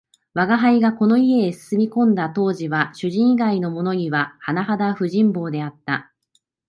吾輩がこの家へ住み込んだ当時は、主人以外のものにははなはだ不人望であった